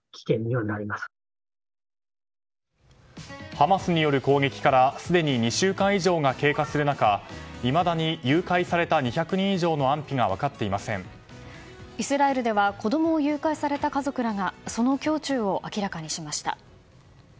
ハマスによる攻撃からすでに２週間以上が経過する中、いまだに誘拐された２００人以上の安否がイスラエルでは子供を誘拐された家族らがその胸中を明らかにしました。